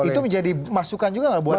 itu menjadi masukan juga nggak buat anda